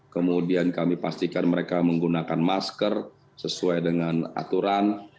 kemudian kami pastikan mereka menggunakan masker sesuai dengan aturan